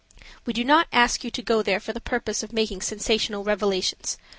"We do not ask you to go there for the purpose of making sensational revelations.